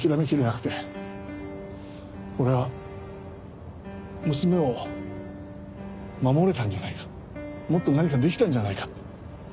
俺は娘を守れたんじゃないかもっと何かできたんじゃないかって。